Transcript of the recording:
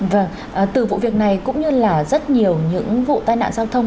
vâng từ vụ việc này cũng như là rất nhiều những vụ tai nạn giao thông